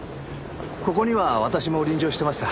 ここには私も臨場してました。